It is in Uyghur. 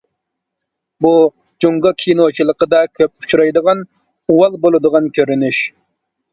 بۇ جۇڭگو كىنوچىلىقىدا كۆپ ئۇچرايدىغان «ئۇۋال بولىدىغان» كۆرۈنۈش.